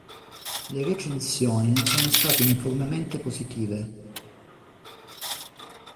Le recensioni non sono state uniformemente positive.